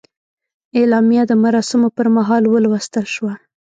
اعلامیه د مراسمو پر مهال ولوستل شوه.